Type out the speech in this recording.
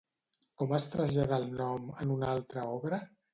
Com es trasllada el nom en una altra obra?